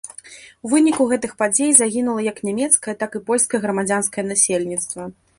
У выніку гэтых падзей загінула як нямецкае, так і польскае грамадзянскае насельніцтва.